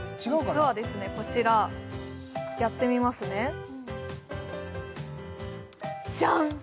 実はですねこちらやってみますねジャン！